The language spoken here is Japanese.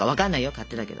勝手だけど。